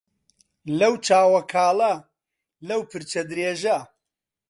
لەو چاوە کاڵە لەو پرچە درێژە